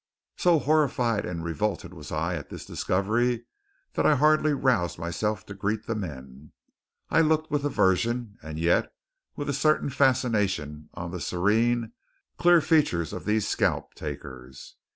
So horrified and revolted was I at this discovery that I hardly roused myself to greet the men. I looked with aversion, and yet with a certain fascination on the serene, clear features of these scalp takers.